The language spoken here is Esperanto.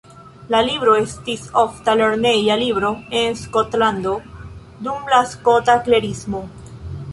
La libro estis ofta lerneja libro en Skotlando dum la Skota Klerismo.